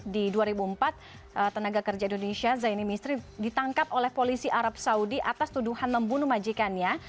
di dua ribu empat tenaga kerja indonesia zaini misrin ditangkap oleh polisi arab saudi atas tuduhan membunuh majikannya